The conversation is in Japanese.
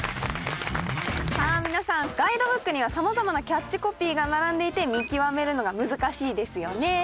さあ皆さんガイドブックには様々なキャッチコピーが並んでいて見極めるのが難しいですよね。